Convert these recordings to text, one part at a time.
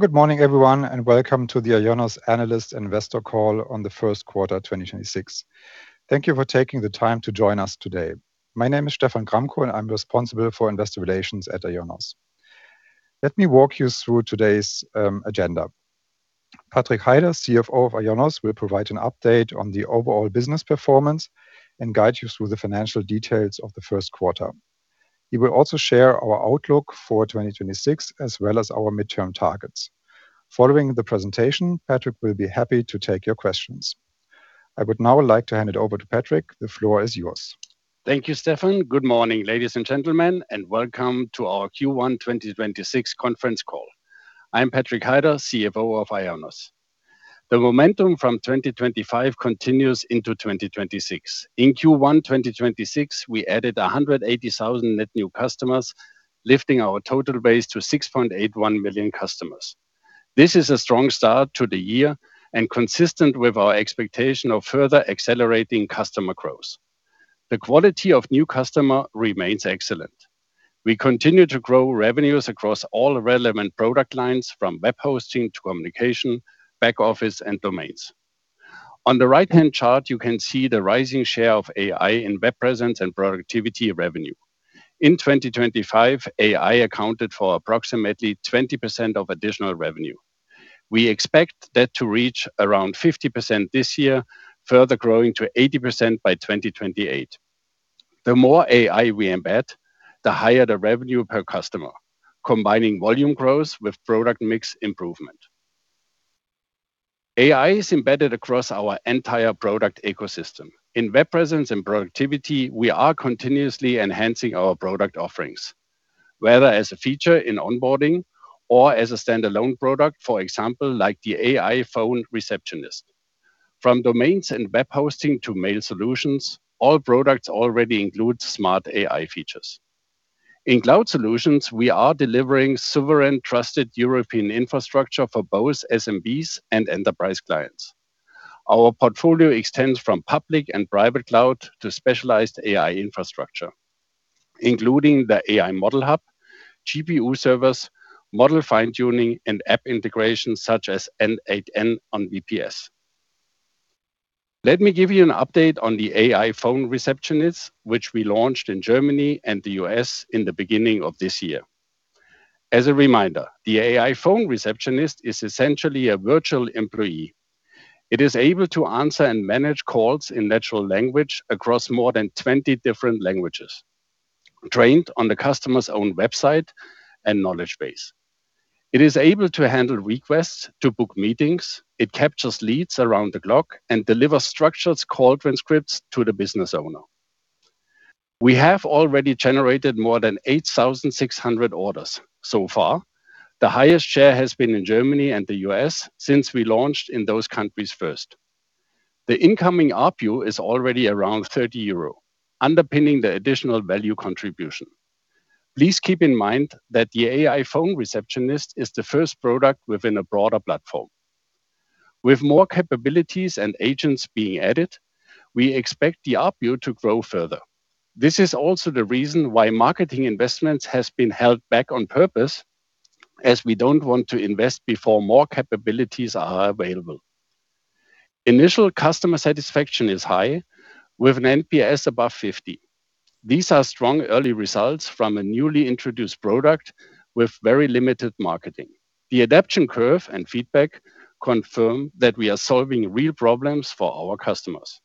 Good morning, everyone, and welcome to the IONOS Analyst Investor Call on the First Quarter 2026. Thank you for taking the time to join us today. My name is Stephan Gramkow, and I'm responsible for Investor Relations at IONOS. Let me walk you through today's agenda. Patrik Heider, Chief Financial Officer of IONOS, will provide an update on the overall business performance and guide you through the financial details of the first quarter. He will also share our outlook for 2026, as well as our midterm targets. Following the presentation, Patrik will be happy to take your questions. I would now like to hand it over to Patrik. The floor is yours. Thank you, Stephan. Good morning, ladies and gentlemen, and welcome to our Q1 2026 conference call. I'm Patrik Heider, Chief Financial Officer of IONOS. The momentum from 2025 continues into 2026. In Q1 2026, we added 180,000 net new customers, lifting our total base to 6.81 million customers. This is a strong start to the year and consistent with our expectation of further accelerating customer growth. The quality of new customer remains excellent. We continue to grow revenues across all relevant product lines, from web hosting to communication, back office, and domains. On the right-hand chart, you can see the rising share of AI in Web Presence & Productivity revenue. In 2025, AI accounted for approximately 20% of additional revenue. We expect that to reach around 50% this year, further growing to 80% by 2028. The more AI we embed, the higher the revenue per customer, combining volume growth with product mix improvement. AI is embedded across our entire product ecosystem. In Web Presence & Productivity, we are continuously enhancing our product offerings, whether as a feature in onboarding or as a standalone product, for example, like the AI Phone Receptionist. From domains and web hosting to mail solutions, all products already include smart AI features. In Cloud Solutions, we are delivering sovereign trusted European infrastructure for both SMBs and enterprise clients. Our portfolio extends from Public Cloud and Private Cloud to specialized AI infrastructure, including the AI Model Hub, GPU servers, model fine-tuning, and app integration such as n8n on VPS. Let me give you an update on the AI Phone Receptionist, which we launched in Germany and the U.S. in the beginning of this year. As a reminder, the AI Phone Receptionist is essentially a virtual employee. It is able to answer and manage calls in natural language across more than 20 different languages, trained on the customer's own website and knowledge base. It is able to handle requests to book meetings. It captures leads around the clock and delivers structured call transcripts to the business owner. We have already generated more than 8,600 orders so far. The highest share has been in Germany and the U.S. since we launched in those countries first. The incoming ARPU is already around 30 euro, underpinning the additional value contribution. Please keep in mind that the AI Phone Receptionist is the first product within a broader platform. With more capabilities and agents being added, we expect the ARPU to grow further. This is also the reason why marketing investments has been held back on purpose, as we don't want to invest before more capabilities are available. Initial customer satisfaction is high, with an NPS above 50. These are strong early results from a newly introduced product with very limited marketing. The adoption curve and feedback confirm that we are solving real problems for our customers.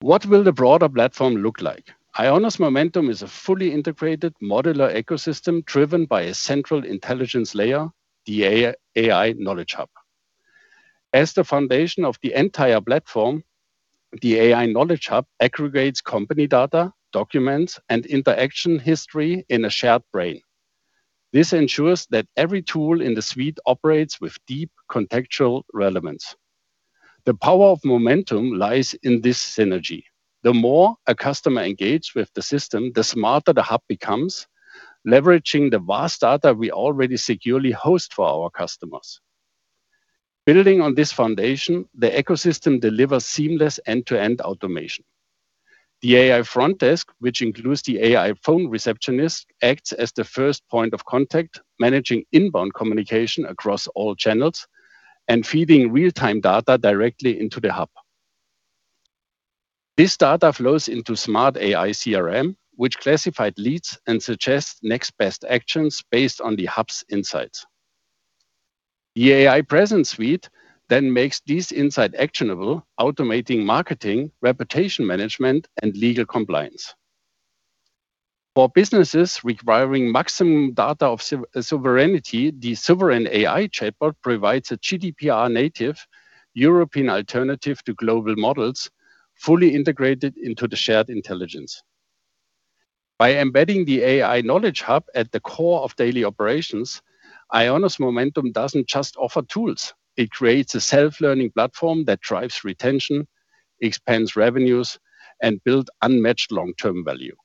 What will the broader platform look like? IONOS Momentum is a fully integrated modular ecosystem driven by a central intelligence layer, the AI Knowledge Hub. As the foundation of the entire platform, the AI Knowledge Hub aggregates company data, documents, and interaction history in a shared brain. This ensures that every tool in the suite operates with deep contextual relevance. The power of momentum lies in this synergy. The more a customer engages with the system, the smarter the hub becomes, leveraging the vast data we already securely host for our customers. Building on this foundation, the ecosystem delivers seamless end-to-end automation. The AI front desk, which includes the AI Phone Receptionist, acts as the first point of contact, managing inbound communication across all channels and feeding real-time data directly into the hub. This data flows into smart AI CRM, which classifies leads and suggests next best actions based on the hub's insights. The AI Presence Suite then makes these insights actionable, automating marketing, reputation management, and legal compliance. For businesses requiring maximum data sovereignty, the Sovereign AI chatbot provides a GDPR native European alternative to global models fully integrated into the shared intelligence. By embedding the AI Knowledge Hub at the core of daily operations, IONOS Momentum doesn't just offer tools, it creates a self-learning platform that drives retention, expands revenues, and build unmatched long-term value.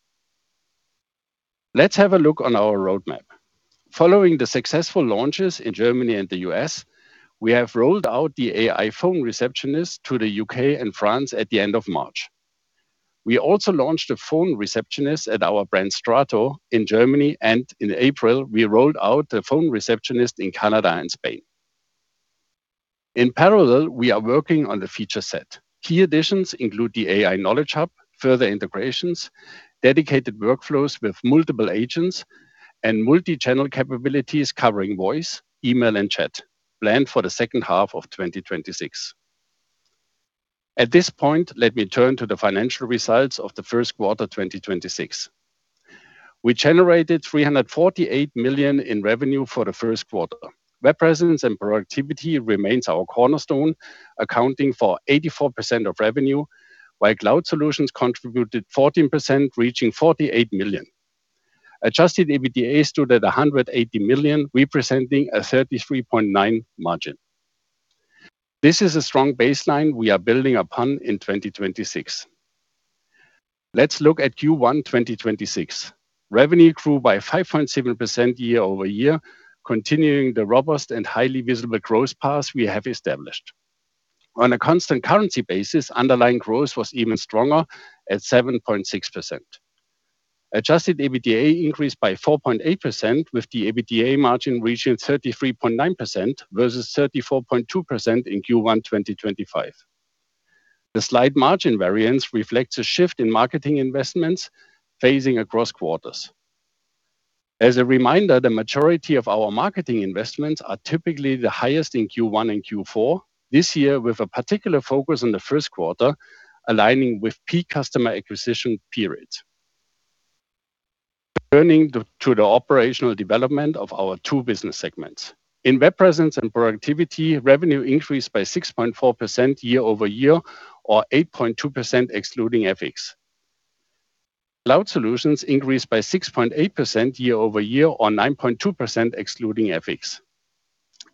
Let's have a look on our roadmap. Following the successful launches in Germany and the U.S., we have rolled out the AI phone receptionist to the U.K. and France at the end of March. We also launched a phone receptionist at our brand Strato in Germany, and in April, we rolled out the phone receptionist in Canada and Spain. In parallel, we are working on the feature set. Key additions include the AI Knowledge Hub, further integrations, dedicated workflows with multiple agents, and multi-channel capabilities covering voice, email, and chat planned for the second half of 2026. At this point, let me turn to the financial results of the first quarter 2026. We generated 348 million in revenue for the first quarter. Web Presence & Productivity remains our cornerstone, accounting for 84% of revenue, while Cloud Solutions contributed 14%, reaching 48 million. Adjusted EBITDA stood at 180 million, representing a 33.9% margin. This is a strong baseline we are building upon in 2026. Let's look at Q1 2026. Revenue grew by 5.7% year-over-year, continuing the robust and highly visible growth path we have established. On a constant currency basis, underlying growth was even stronger at 7.6%. Adjusted EBITDA increased by 4.8%, with the EBITDA margin reaching 33.9% versus 34.2% in Q1 2025. The slight margin variance reflects a shift in marketing investments phasing across quarters. As a reminder, the majority of our marketing investments are typically the highest in Q1 and Q4 this year, with a particular focus on the first quarter aligning with peak customer acquisition periods. Turning to the operational development of our two business segments. In Web Presence & Productivity, revenue increased by 6.4% year-over-year or 8.2% excluding FX. Cloud Solutions increased by 6.8% year-over-year or 9.2% excluding FX.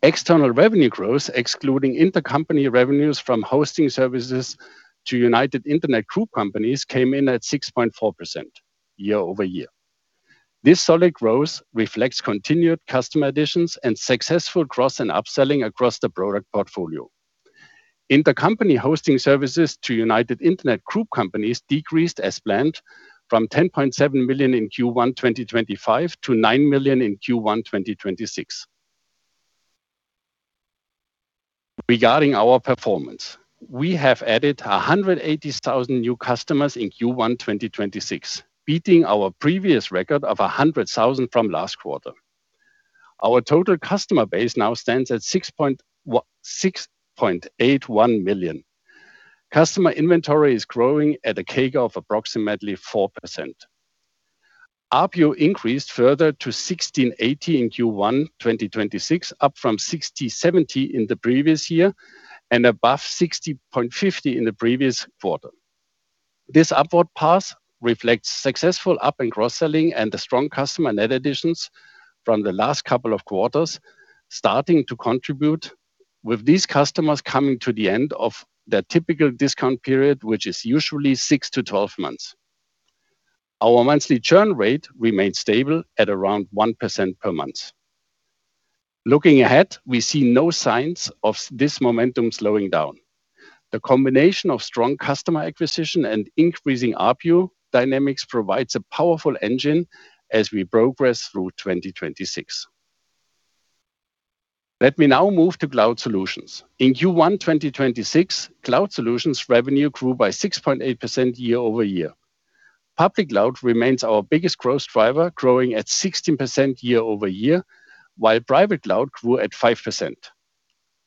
External revenue growth, excluding intercompany revenues from hosting services to United Internet Group companies, came in at 6.4% year-over-year. This solid growth reflects continued customer additions and successful cross and upselling across the product portfolio. Intercompany hosting services to United Internet Group companies decreased as planned from 10.7 million in Q1 2025 to 9 million in Q1 2026. Regarding our performance, we have added 180,000 new customers in Q1 2026, beating our previous record of 100,000 from last quarter. Our total customer base now stands at 6.81 million. Customer inventory is growing at a CAGR of approximately 4%. ARPU increased further to 16.80 in Q1 2026, up from 16.70 in the previous year and above 16.50 in the previous quarter. This upward path reflects successful up and cross-selling and the strong customer net additions from the last couple of quarters starting to contribute, with these customers coming to the end of their typical discount period, which is usually 6-12 months. Our monthly churn rate remains stable at around 1% per month. Looking ahead, we see no signs of this momentum slowing down. The combination of strong customer acquisition and increasing ARPU dynamics provides a powerful engine as we progress through 2026. Let me now move to Cloud Solutions. In Q1 2026, Cloud Solutions revenue grew by 6.8% year-over-year. Public Cloud remains our biggest growth driver, growing at 16% year-over-year, while Private Cloud grew at 5%.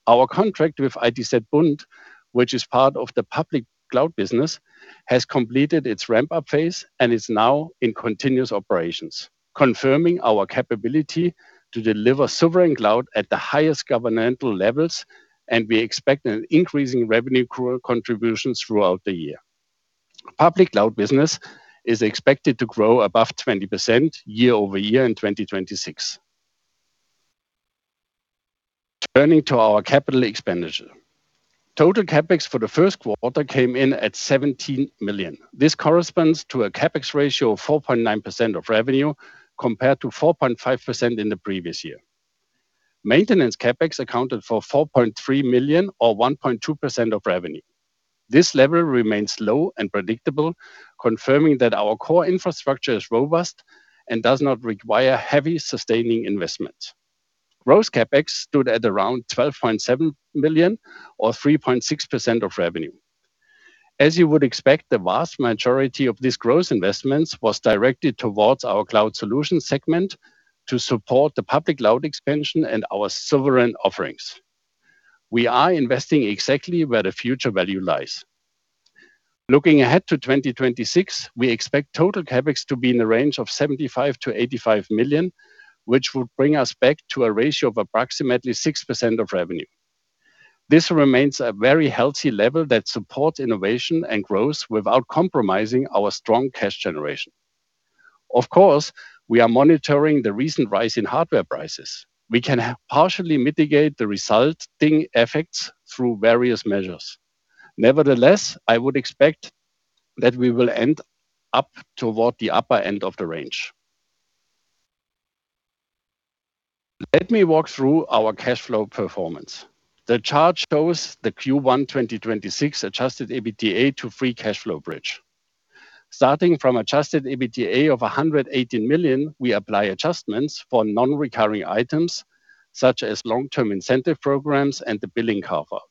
Our contract with ITZ Bund, which is part of the Public Cloud business, has completed its ramp-up phase and is now in continuous operations, confirming our capability to deliver sovereign cloud at the highest governmental levels, and we expect an increasing revenue grow contributions throughout the year. Public Cloud business is expected to grow above 20% year-over-year in 2026. Turning to our capital expenditure. Total CapEx for the first quarter came in at 17 million. This corresponds to a CapEx ratio of 4.9% of revenue, compared to 4.5% in the previous year. Maintenance CapEx accounted for 4.3 million or 1.2% of revenue. This level remains low and predictable, confirming that our core infrastructure is robust and does not require heavy sustaining investment. Gross CapEx stood at around 12.7 million or 3.6% of revenue. As you would expect, the vast majority of this gross investments was directed towards our Cloud Solutions segment to support the Public Cloud expansion and our Sovereign offerings. We are investing exactly where the future value lies. Looking ahead to 2026, we expect total CapEx to be in the range of 75 million-85 million, which would bring us back to a ratio of approximately 6% of revenue. This remains a very healthy level that supports innovation and growth without compromising our strong cash generation. Of course, we are monitoring the recent rise in hardware prices. We can partially mitigate the resulting effects through various measures. Nevertheless, I would expect that we will end up toward the upper end of the range. Let me walk through our cashflow performance. The chart shows the Q1 2026 adjusted EBITDA to free cashflow bridge. Starting from adjusted EBITDA of 118 million, we apply adjustments for non-recurring items such as long-term incentive programs and the billing carve-out.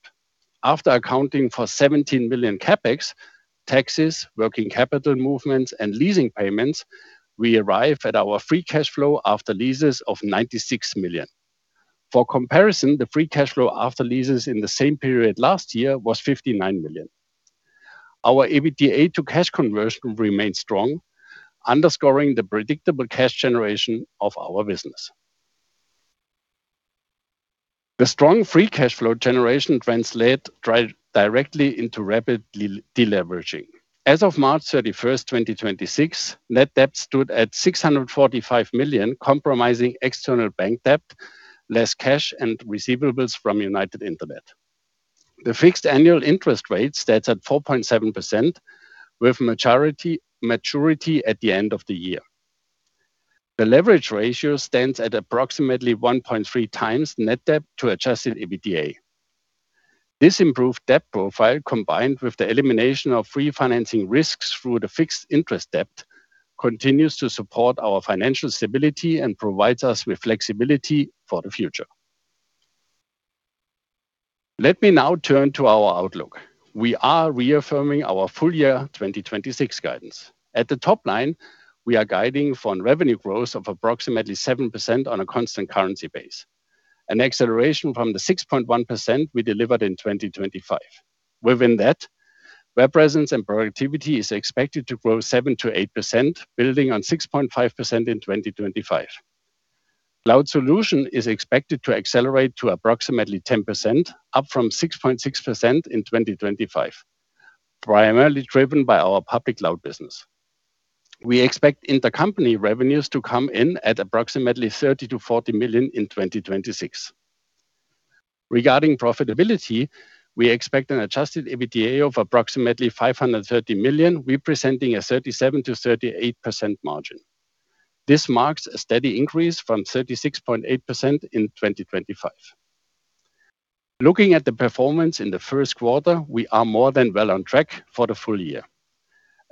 After accounting for 17 million CapEx, taxes, working capital movements, and leasing payments, we arrive at our free cashflow after leases of 96 million. For comparison, the free cashflow after leases in the same period last year was 59 million. Our EBITDA to cash conversion remains strong, underscoring the predictable cash generation of our business. The strong free cashflow generation translate directly into rapid deleveraging. As of March 31st, 2026, net debt stood at 645 million, comprising external bank debt, less cash and receivables from United Internet. The fixed annual interest rate stands at 4.7% with maturity at the end of the year. The leverage ratio stands at approximately 1.3x net debt to adjusted EBITDA. This improved debt profile, combined with the elimination of free financing risks through the fixed interest debt, continues to support our financial stability and provides us with flexibility for the future. Let me now turn to our outlook. We are reaffirming our full year 2026 guidance. At the top line, we are guiding for revenue growth of approximately 7% on a constant currency base, an acceleration from the 6.1% we delivered in 2025. Within that, Web Presence & Productivity is expected to grow 7%-8% building on 6.5% in 2025. Cloud Solutions is expected to accelerate to approximately 10% up from 6.6% in 2025, primarily driven by our Public Cloud business. We expect intercompany revenues to come in at approximately 30 million-40 million in 2026. Regarding profitability, we expect an adjusted EBITDA of approximately 530 million, representing a 37%-38% margin. This marks a steady increase from 36.8% in 2025. Looking at the performance in the 1st quarter, we are more than well on track for the full year.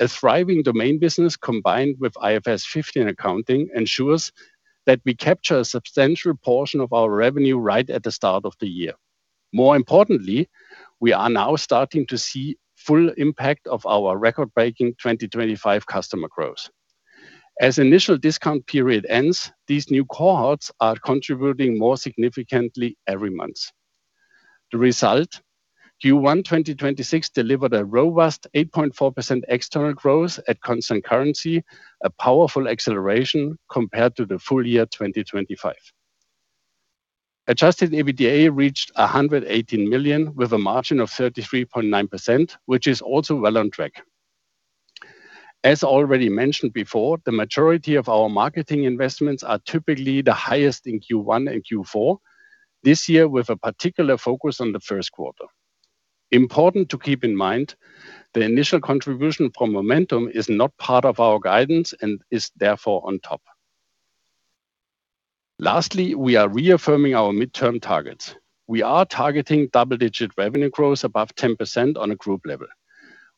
A thriving domain business combined with IFRS 15 accounting ensures that we capture a substantial portion of our revenue right at the start of the year. More importantly, we are now starting to see full impact of our record-breaking 2025 customer growth. As initial discount period ends, these new cohorts are contributing more significantly every month. The result, Q1 2026 delivered a robust 8.4% external growth at constant currency, a powerful acceleration compared to the full year 2025. Adjusted EBITDA reached 118 million with a margin of 33.9%, which is also well on track. As already mentioned before, the majority of our marketing investments are typically the highest in Q1 and Q4 this year with a particular focus on the first quarter. Important to keep in mind, the initial contribution from Momentum is not part of our guidance and is therefore on top. We are reaffirming our midterm targets. We are targeting double-digit revenue growth above 10% on a group level.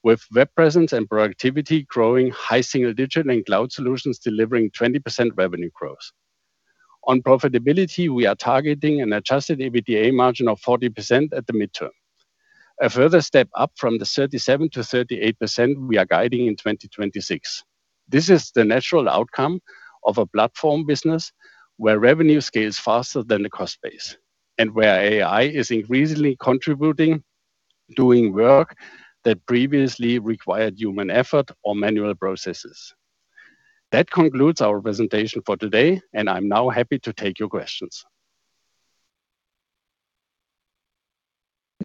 With Web Presence & Productivity growing high single digit and Cloud Solutions delivering 20% revenue growth. On profitability, we are targeting an adjusted EBITDA margin of 40% at the midterm. A further step up from the 37%-38% we are guiding in 2026. This is the natural outcome of a platform business where revenue scales faster than the cost base, and where AI is increasingly contributing, doing work that previously required human effort or manual processes. That concludes our presentation for today, and I'm now happy to take your questions.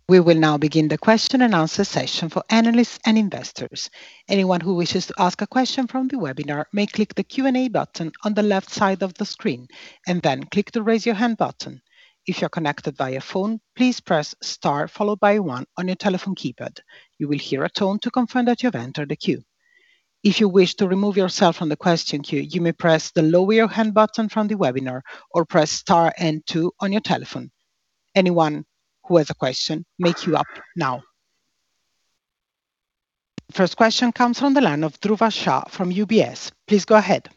We will now begin the question and answer session for analysts and investors. Anyone who wishes to ask a question from the webinar may click the Q&A button on the left side of the screen and then click the Raise Your Hand button. If you're connected via phone, please press star followed by one on your telephone keypad. You will hear a tone to confirm that you've entered the queue. If you wish to remove yourself from the question queue, you may press the Lower Your Hand button from the webinar or press star and two on your telephone. Anyone who has a question may queue up now. First question comes from the line of Dhruva Shah from UBS. Please go ahead.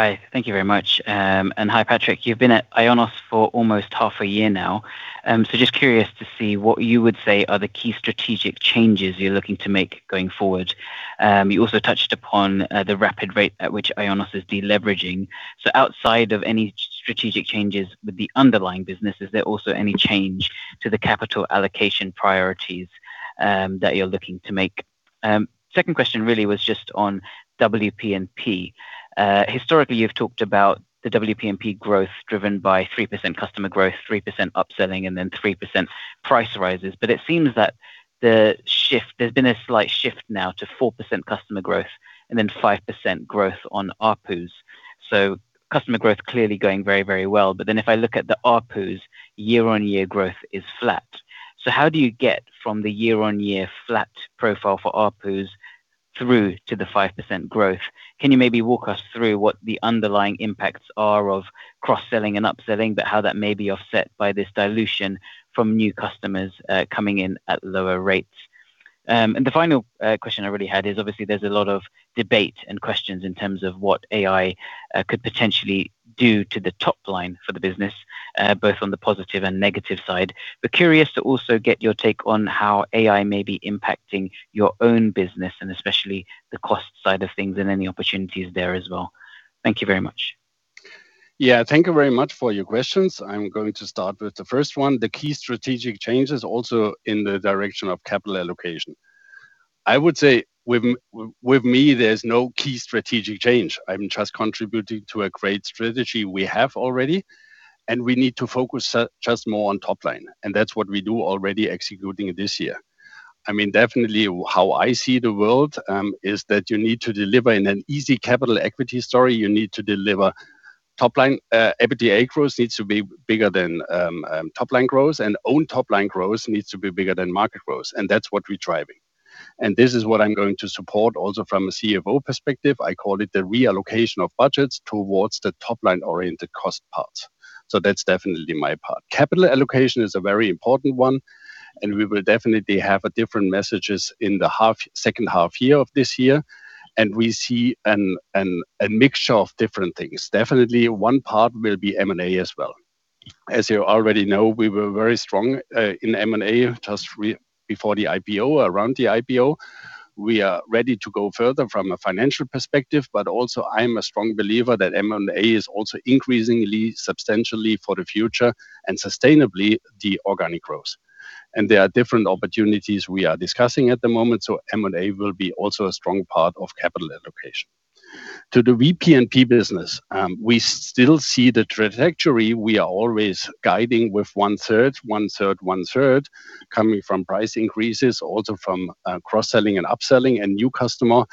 Hi. Thank you very much. Hi, Patrik. You've been at IONOS for almost half a year now, just curious to see what you would say are the key strategic changes you're looking to make going forward. You also touched upon the rapid rate at which IONOS is deleveraging. Outside of any strategic changes with the underlying business, is there also any change to the capital allocation priorities that you're looking to make? Second question really was just on WP&P. Historically, you've talked about the WP&P growth driven by 3% customer growth, 3% upselling, and 3% price rises. It seems that there's been a slight shift now to 4% customer growth and 5% growth on ARPU. Customer growth clearly going very, very well. If I look at the ARPUs, year-on-year growth is flat. How do you get from the year-on-year flat profile for ARPUs through to the 5% growth? Can you maybe walk us through what the underlying impacts are of cross-selling and upselling, but how that may be offset by this dilution from new customers coming in at lower rates? The final question I really had is obviously there's a lot of debate and questions in terms of what AI could potentially do to the top line for the business, both on the positive and negative side. Curious to also get your take on how AI may be impacting your own business and especially the cost side of things and any opportunities there as well. Thank you very much. Yeah, thank you very much for your questions. I'm going to start with the first one. The key strategic changes also in the direction of capital allocation. I would say with me, there's no key strategic change. I'm just contributing to a great strategy we have already. We need to focus just more on top line. That's what we do already executing this year. I mean, definitely how I see the world is that you need to deliver in an easy capital equity story. You need to deliver top line. EBITDA growth needs to be bigger than top line growth. Own top line growth needs to be bigger than market growth. That's what we're driving. This is what I'm going to support also from a Chief Financial Officer perspective. I call it the reallocation of budgets towards the top line-oriented cost parts. That's definitely my part. Capital allocation is a very important one, and we will definitely have a different messages in the half, second half year of this year, and we see a mixture of different things. Definitely one part will be M&A as well. As you already know, we were very strong in M&A just before the IPO, around the IPO. We are ready to go further from a financial perspective, but also I'm a strong believer that M&A is also increasingly, substantially for the future and sustainably the organic growth. There are different opportunities we are discussing at the moment, so M&A will be also a strong part of capital allocation. To the WP&P business, we still see the trajectory. We are always guiding with 1/3, 1/3, 1/3 coming from price increases, also from cross-selling and upselling and new customer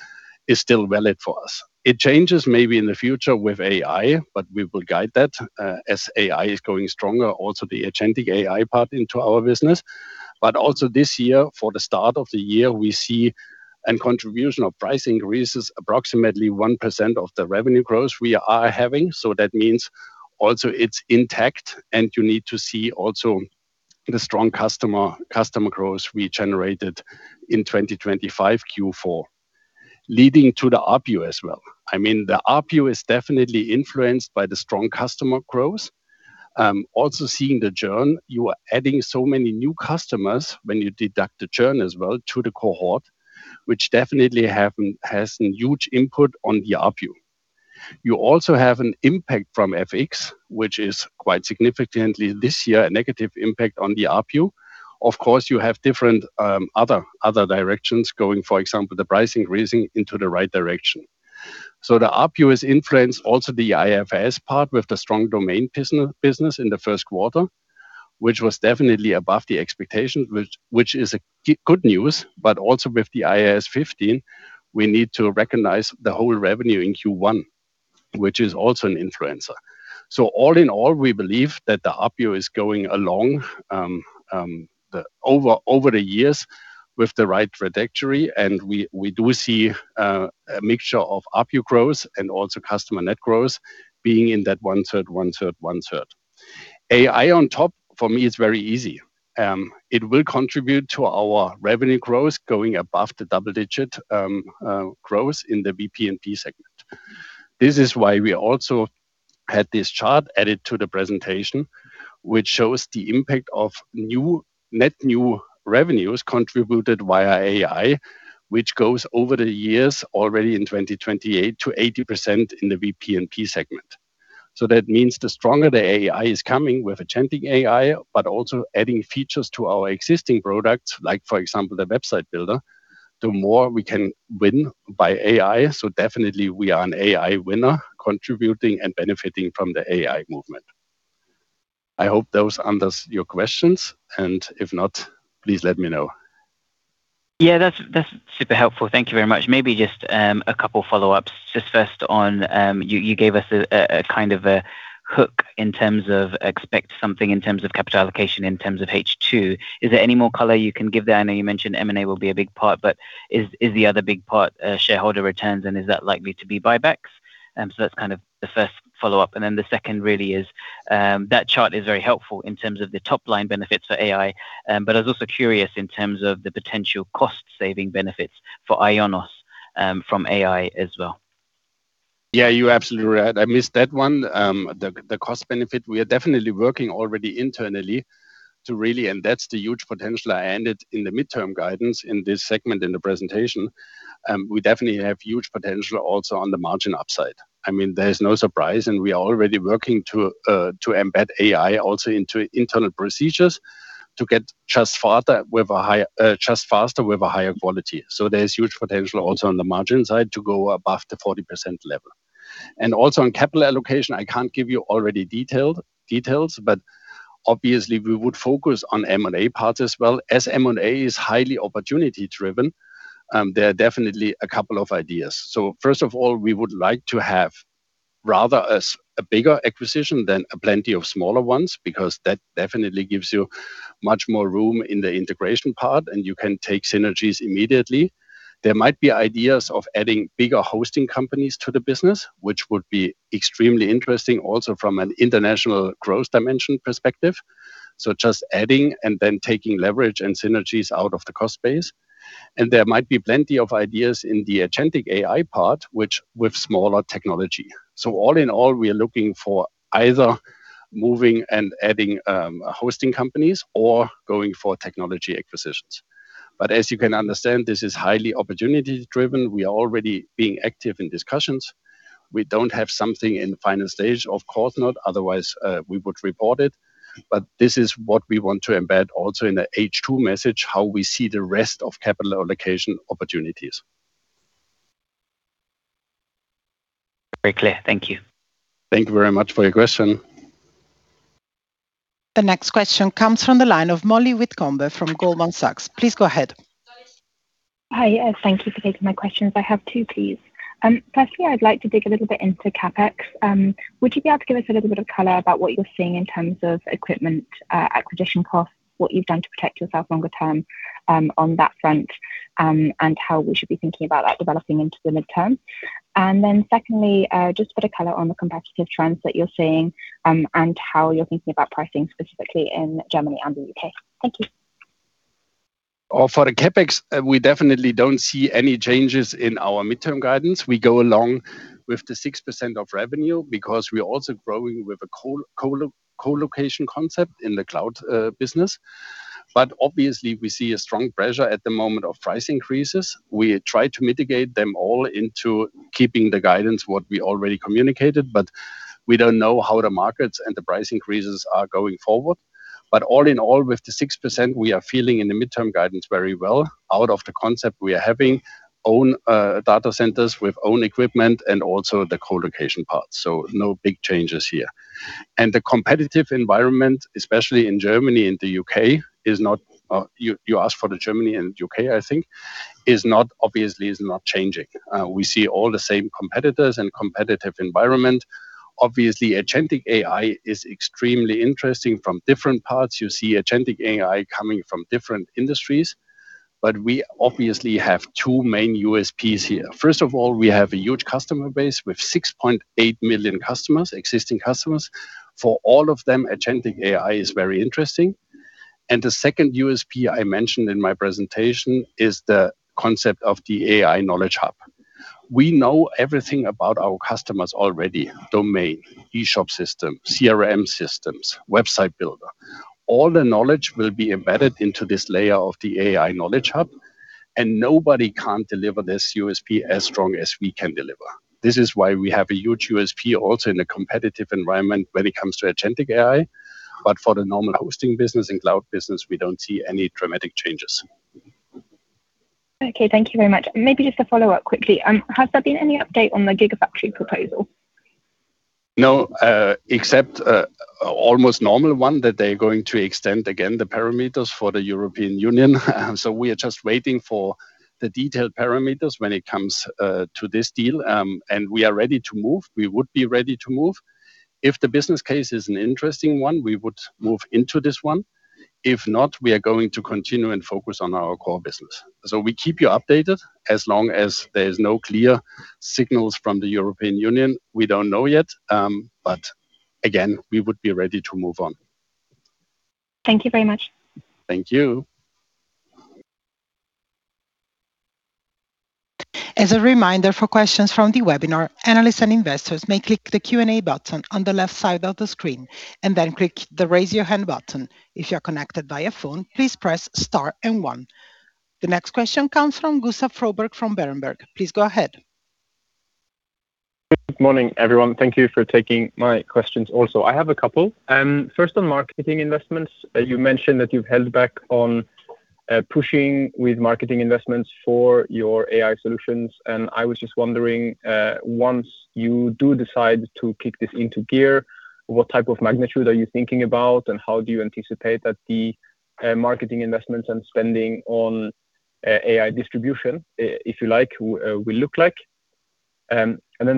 is still valid for us. It changes maybe in the future with AI, we will guide that as AI is growing stronger, also the agentic AI part into our business. Also this year, for the start of the year, we see a contribution of price increases approximately 1% of the revenue growth we are having. That means also it's intact, you need to see also the strong customer growth we generated in 2025 Q4, leading to the ARPU as well. I mean, the ARPU is definitely influenced by the strong customer growth. Also seeing the churn. You are adding so many new customers when you deduct the churn as well to the cohort, which definitely has a huge input on the ARPU. You also have an impact from FX, which is quite significantly this year a negative impact on the ARPU. Of course, you have different other directions going, for example, the price increasing into the right direction. The ARPU has influenced also the IFRS part with the strong domain business in the first quarter, which was definitely above the expectation, which is good news. Also with the IFRS 15, we need to recognize the whole revenue in Q1, which is also an influencer. All in all, we believe that the ARPU is going along over the years with the right trajectory, and we do see a mixture of ARPU growth and also customer net growth being in that 1/3, 1/3, 1/3. AI on top for me is very easy. It will contribute to our revenue growth going above the double-digit growth in the WP&P segment. This is why we also had this chart added to the presentation, which shows the impact of new, net new revenues contributed via AI, which goes over the years already in 2028 to 80% in the WP&P segment. That means the stronger the AI is coming with agentic AI, but also adding features to our existing products, like for example, the website builder, the more we can win by AI. Definitely we are an AI winner contributing and benefiting from the AI movement. I hope those answers your questions, and if not, please let me know. Yeah, that's super helpful. Thank you very much. Maybe just a couple follow-ups. Just first on, you gave us a kind of a hook in terms of expect something in terms of capital allocation in terms of H2. Is there any more color you can give there? I know you mentioned M&A will be a big part, but is the other big part, shareholder returns, and is that likely to be buybacks? That's kind of the first follow-up. The second really is, that chart is very helpful in terms of the top line benefits for AI, but I was also curious in terms of the potential cost saving benefits for IONOS from AI as well. Yeah, you're absolutely right. I missed that one. The cost benefit. We are definitely working already internally to really invest the huge potential I ended in the midterm guidance in this segment in the presentation. We definitely have huge potential also on the margin upside. I mean, there is no surprise, and we are already working to embed AI also into internal procedures to get just faster with a higher quality. There's huge potential also on the margin side to go above the 40% level. Also on capital allocation, I can't give you already detailed details, but obviously we would focus on M&A part as well. As M&A is highly opportunity driven, there are definitely a couple of ideas. First of all, we would like to have rather as a bigger acquisition than a plenty of smaller ones, because that definitely gives you much more room in the integration part, and you can take synergies immediately. There might be ideas of adding bigger hosting companies to the business, which would be extremely interesting also from an international growth dimension perspective. Just adding and then taking leverage and synergies out of the cost base. There might be plenty of ideas in the agentic AI part, which with smaller technology. All in all, we are looking for either moving and adding hosting companies or going for technology acquisitions. As you can understand, this is highly opportunity-driven. We are already being active in discussions. We don't have something in the final stage, of course not, otherwise, we would report it. This is what we want to embed also in the H2 message, how we see the rest of capital allocation opportunities. Very clear. Thank you. Thank you very much for your question. The next question comes from the line of Mollie Witcombe from Goldman Sachs. Please go ahead. Hi. Yes, thank you for taking my questions. I have two, please. Firstly, I'd like to dig a little bit into CapEx. Would you be able to give us a little bit of color about what you're seeing in terms of equipment acquisition costs, what you've done to protect yourself longer term on that front, and how we should be thinking about that developing into the midterm? Secondly, just a bit of color on the competitive trends that you're seeing, and how you're thinking about pricing specifically in Germany and the U.K. Thank you. For the CapEx, we definitely don't see any changes in our midterm guidance. We go along with the 6% of revenue because we're also growing with a colocation concept in the cloud business. Obviously, we see a strong pressure at the moment of price increases. We try to mitigate them all into keeping the guidance what we already communicated, but we don't know how the markets and the price increases are going forward. All in all, with the 6%, we are feeling in the midterm guidance very well. Out of the concept, we are having own data centers with own equipment and also the colocation part. No big changes here. The competitive environment, especially in Germany and the U.K., is not. You asked for the Germany and U.K., I think, is not, obviously, is not changing. We see all the same competitors and competitive environment. Obviously, agentic AI is extremely interesting from different parts. You see agentic AI coming from different industries, but we obviously have two main USPs here. First of all, we have a huge customer base. We have 6.8 million customers, existing customers. For all of them, agentic AI is very interesting. The second USP I mentioned in my presentation is the concept of the AI Knowledge Hub. We know everything about our customers already: domain, e-shop system, CRM systems, website builder. All the knowledge will be embedded into this layer of the AI Knowledge Hub, and nobody can deliver this USP as strong as we can deliver. This is why we have a huge USP also in a competitive environment when it comes to agentic AI. For the normal hosting business and cloud business, we don't see any dramatic changes. Okay. Thank you very much. Maybe just a follow-up quickly. Has there been any update on the gigafactory proposal? No, except, a almost normal one, that they're going to extend again the parameters for the European Union. We are just waiting for the detailed parameters when it comes to this deal. We are ready to move. We would be ready to move. If the business case is an interesting one, we would move into this one. If not, we are going to continue and focus on our core business. We keep you updated. As long as there's no clear signals from the European Union, we don't know yet. Again, we would be ready to move on. Thank you very much. Thank you. As a reminder, for questions from the webinar, analysts and investors may click the Q&A button on the left side of the screen and then click the Raise Your Hand button. If you're connected via phone, please press star and one. The next question comes from Gustav Froberg from Berenberg. Please go ahead. Good morning, everyone. Thank you for taking my questions also. I have a couple. First, on marketing investments, you mentioned that you've held back on pushing with marketing investments for your AI solutions, and I was just wondering, once you do decide to kick this into gear, what type of magnitude are you thinking about, and how do you anticipate that the marketing investments and spending on AI distribution, if you like, will look like?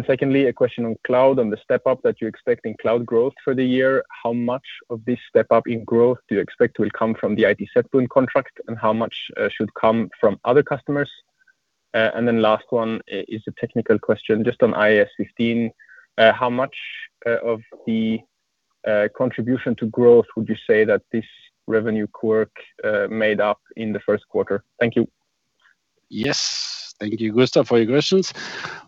Secondly, a question on cloud, on the step-up that you expect in cloud growth for the year. How much of this step-up in growth do you expect will come from the ITZ Bund contract, and how much should come from other customers? Last one is a technical question just on IFRS 15. How much of the contribution to growth would you say that this revenue quirk made up in the first quarter? Thank you. Yes. Thank you, Gustav, for your questions.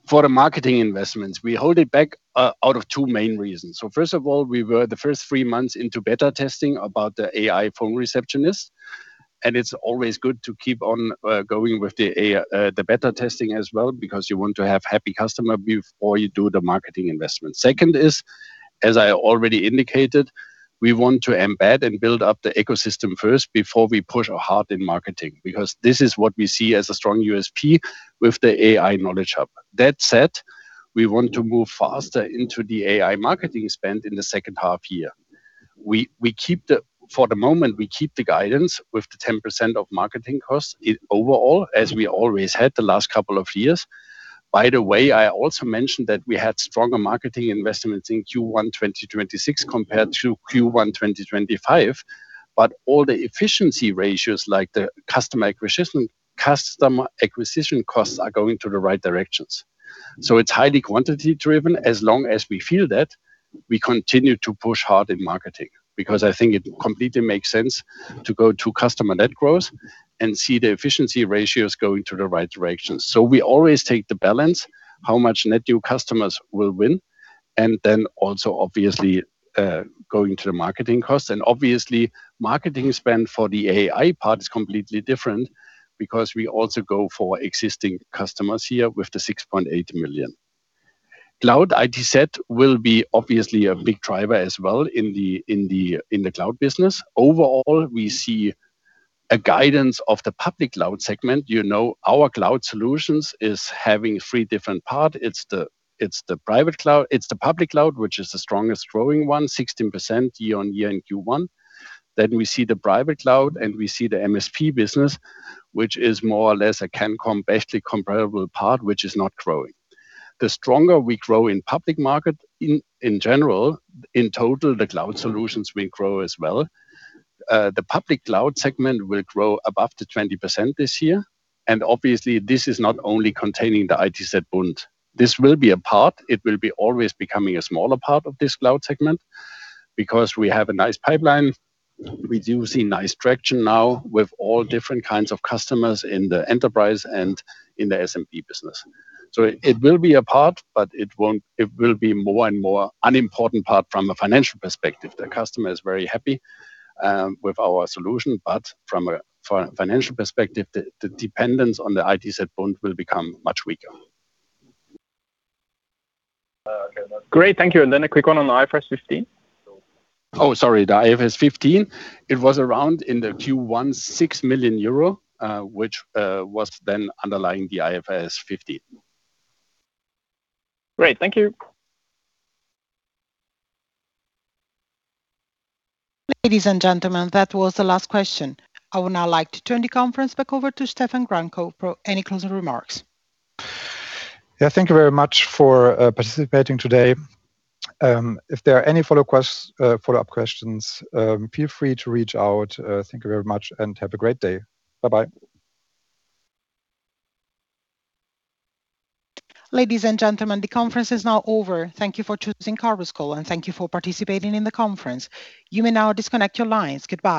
For the marketing investments, we hold it back out of two main reasons. First of all, we were the first three months into beta testing about the AI Phone Receptionist, and it's always good to keep on going with the beta testing as well because you want to have happy customer before you do the marketing investment. Second is, as I already indicated, we want to embed and build up the ecosystem first before we push hard in marketing, because this is what we see as a strong USP with the AI Knowledge Hub. We want to move faster into the AI marketing spend in the second half year. For the moment, we keep the guidance with the 10% of marketing costs overall, as we always had the last couple of years. I also mentioned that we had stronger marketing investments in Q1 2026 compared to Q1 2025. All the efficiency ratios, like the customer acquisition costs are going to the right directions. It's highly quantity-driven. As long as we feel that, we continue to push hard in marketing, because I think it completely makes sense to go to customer net growth and see the efficiency ratios going to the right direction. We always take the balance, how much net new customers will win, and then also obviously, going to the marketing costs. Obviously, marketing spend for the AI part is completely different because we also go for existing customers here with the 6.8 million. Cloud Solutions will be obviously a big driver as well in the cloud business. Overall, we see a guidance of the Public Cloud segment. You know our Cloud Solutions is having three different part. It's the Public Cloud, which is the strongest growing one, 16% year-on-year in Q1. Then we see the Private Cloud, and we see the MSP business, which is more or less a CANCOM basically comparable part which is not growing. The stronger we grow in public market in general, in total, the Cloud Solutions will grow as well. The Public Cloud segment will grow above 20% this year. Obviously, this is not only containing the ITZ Bund. This will be a part. It will be always becoming a smaller part of this Cloud segment because we have a nice pipeline. We do see nice traction now with all different kinds of customers in the enterprise and in the SMB business. It will be a part, but it will be more and more unimportant part from a financial perspective. The customer is very happy with our solution. From a financial perspective, the dependence on the ITZ Bund will become much weaker. Okay. Great. Thank you. A quick one on the IFRS 15. Sorry, the IFRS 15. It was around in the Q1, 6 million euro, which was then underlying the IFRS 15. Great. Thank you. Ladies and gentlemen, that was the last question. I would now like to turn the conference back over to Stephan Gramkow for any closing remarks. Yeah. Thank you very much for participating today. If there are any follow-up questions, feel free to reach out. Thank you very much and have a great day. Bye-bye. Ladies and gentlemen, the conference is now over. Thank you for choosing Chorus Call, and thank you for participating in the conference. You may now disconnect your lines. Goodbye